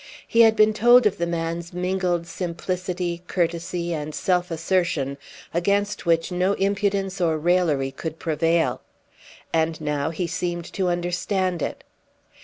He had been told of the man's mingled simplicity, courtesy, and self assertion against which no impudence or raillery could prevail. And now he seemed to understand it.